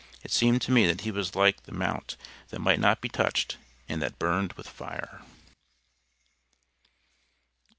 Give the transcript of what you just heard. It seemed to me that he was like the mount that might not be touched, and that burned with fire."